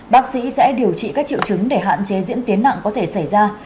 bác sĩ sẽ điều trị các triệu chứng để hạn chế diễn tiến nặng có thể xảy ra